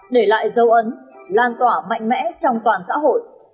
để lại dấu ấn lan tỏa mạnh mẽ trong toàn xã hội